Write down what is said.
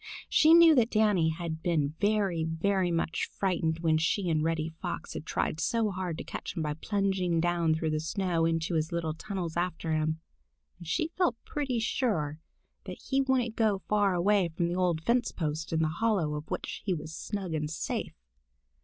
She knew that Danny had been very, very much frightened when she and Reddy Fox had tried so hard to catch him by plunging down through the snow into his little tunnels after him, and she felt pretty sure that he wouldn't go far away from the old fence post, in the hollow of which he was snug and safe.